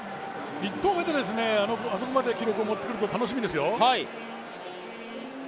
１投目であそこまで記録を持ってくると楽しみですね。